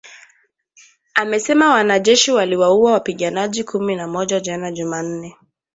amesema wanajeshi waliwaua wapiganaji kumi na moja jana Jumanne